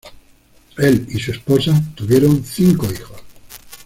Él y su esposa tuvieron cinco hijos.